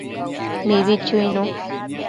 Mibi chuinu